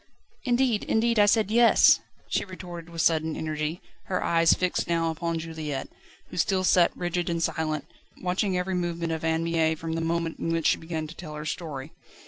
"Indeed, indeed, I said Yes," she retorted with sudden energy, her eyes fixed now upon Juliette, who still sat rigid and silent, watching every movement of Anne Mie from the moment in which she began to tell her story.